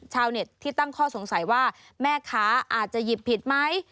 ชาวเน็ตที่ตั้งข้อสงสัยว่าแม่ค้าอาจจะหยิบผิดไหม